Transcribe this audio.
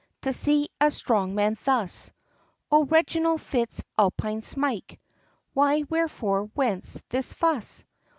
to see a strong man thus, "O Reginald Fitz Alpine Smyke, Why, wherefore, whence, this fuss?